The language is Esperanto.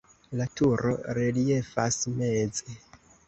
La turo reliefas meze.